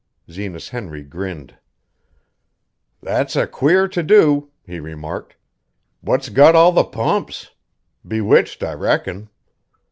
Zenas Henry grinned. "That's a queer to do," he remarked. "What's got all the pumps? Bewitched, I reckon.